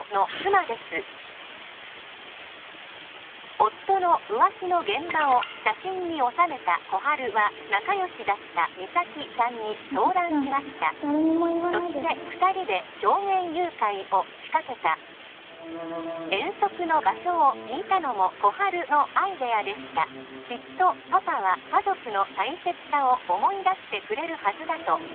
夫の浮気の現場を写真に収めた心春は仲よしだった実咲ちゃんに相談しましたそして二人で狂言誘拐を仕掛けた遠足の場所を聞いたのも心春のアイデアでしたきっとパパは家族の大切さを思い出してくれるはずだと